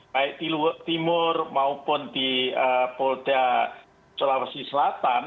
baik di timur maupun di polda sulawesi selatan